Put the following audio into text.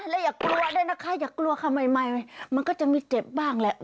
แล้วอย่ากลัวด้วยนะคะอย่ากลัวค่ะใหม่มันก็จะมีเจ็บบ้างแหละ